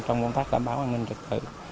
trong công tác đảm bảo an ninh trật tự